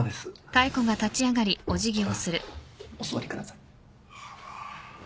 お座りください。